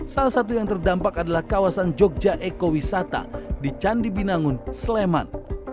salah satu yang terdampak adalah kawasan jogja ekowisata di candi binangun sleman